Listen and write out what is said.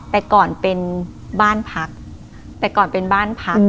แต่ก่อนเป็นบ้านพัก